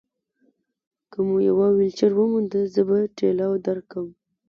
که مو یوه ویلچېر وموندله، زه به ټېله درکړم.